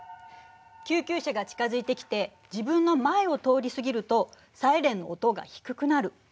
救急車が近づいてきて自分の前を通り過ぎるとサイレンの音が低くなる。